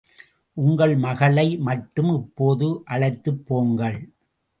உங்கள் மகளை மட்டும் இப்போது அழைத்துப் போங்கள்.